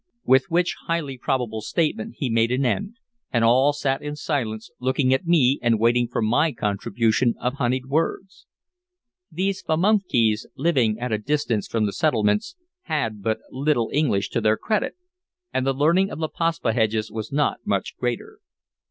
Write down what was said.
With which highly probable statement he made an end, and all sat in silence looking at me and waiting for my contribution of honeyed words. These Pamunkeys, living at a distance from the settlements, had but little English to their credit, and the learning of the Paspaheghs was not much greater.